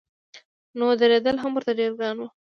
نور درېدل هم ورته ډېر ګران و.